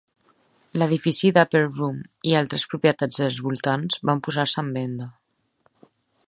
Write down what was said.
L'edifici de Upper Room i altres propietats dels voltants van posar-se en venda.